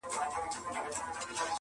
هغه د صحنې له وضعيت څخه حيران ښکاري-